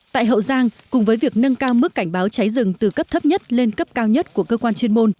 tại hậu giang cùng với việc nâng cao mức cảnh báo cháy rừng từ cấp thấp nhất lên cấp cao nhất của cơ quan chuyên môn